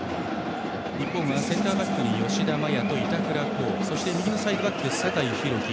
日本はセンターバックに吉田麻也と板倉滉そして右のサイドバック酒井宏樹。